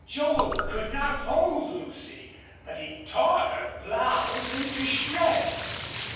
Joel could not hold Lucy, but he tore her blouse into shreds.